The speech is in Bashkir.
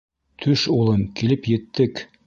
— Төш, улым, килеп еттек.